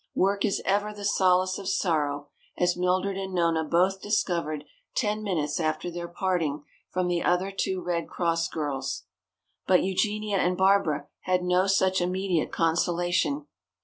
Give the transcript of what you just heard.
Work is ever the solace of sorrow, as Mildred and Nona both discovered ten minutes after their parting from the other two Red Cross girls. But Eugenia and Barbara had no such immediate consolation.